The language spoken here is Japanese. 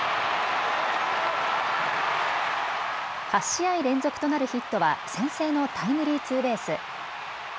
８試合連続となるヒットは先制のタイムリーツーベース。